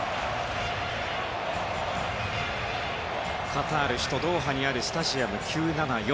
カタールの首都ドーハにあるスタジアム９７４。